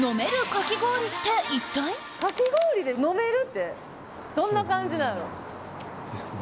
かき氷で飲めるってどんな感じなんやろ。